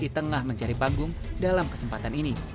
di tengah mencari panggung dalam kesempatan ini